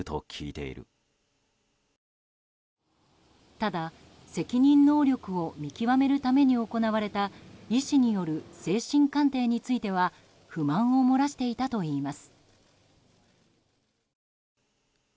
ただ、責任能力を見極めるために行われた医師による精神鑑定については不満を漏らしていたといいます。